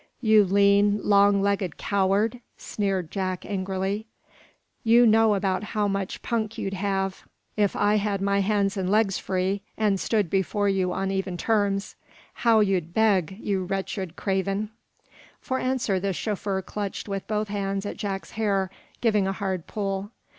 "You lean, long legged coward!" sneered Jack, angrily. "You know about how much punk you'd have if I had my hands and legs free, and stood before you on even terms. How you'd beg, you wretched craven!" For answer the chauffeur clutched with both hands at Jack's hair, giving a hard pull.